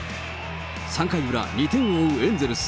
３回裏、２点を追うエンゼルス。